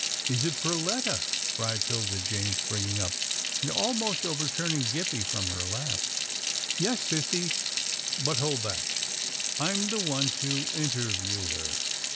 " Is it Perletta? " cried 'Tilda Jane, springing up, and almost overturning Gippie from her lap. " Yes, sissy, but hold back. I'm the one to in terview her.